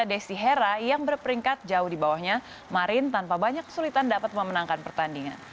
desi hera yang berperingkat jauh di bawahnya marin tanpa banyak kesulitan dapat memenangkan pertandingan